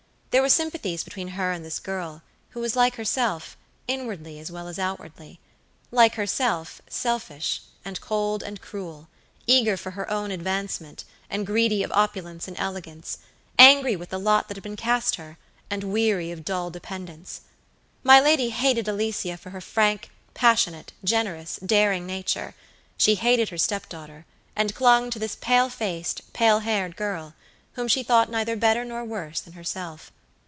There were sympathies between her and this girl, who was like herself, inwardly as well as outwardlylike herself, selfish, and cold, and cruel, eager for her own advancement, and greedy of opulence and elegance; angry with the lot that had been cast her, and weary of dull dependence. My lady hated Alicia for her frank, passionate, generous, daring nature; she hated her step daughter, and clung to this pale faced, pale haired girl, whom she thought neither better nor worse than herself.